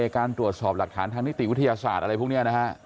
การตรวจสอบหลักฐานทางนิติวิทยาศาสตร์อะไรพวกนี้นะฮะ